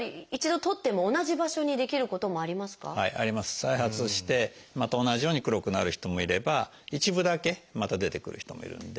再発をしてまた同じように黒くなる人もいれば一部だけまた出てくる人もいるんで。